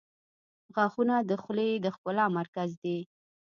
• غاښونه د خولې د ښکلا مرکز دي.